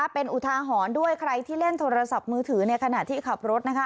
เป็นอุทาหรณ์ด้วยใครที่เล่นโทรศัพท์มือถือในขณะที่ขับรถ